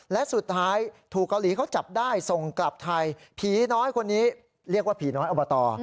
และสุดท้ายถูกเกาหลีเขาจับได้ส่งกลับไทยผีน้อยคนนี้เรียกว่าผีน้อยอบต